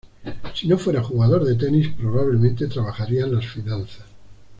Si no fuera jugador de tenis probablemente "trabajaría en las finanzas".